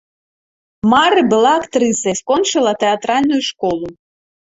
Мары была актрысай, скончыла тэатральную школу.